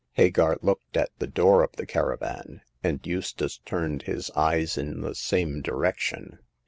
Hagar looked at the door of the caravan, and Eustace turned his eyes in the same direction.